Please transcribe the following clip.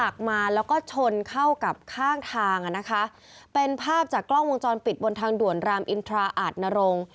ข้างทางนะคะเป็นภาพจากกล้องวงจรปิดบนทางด่วนรามอินทราอาทนรง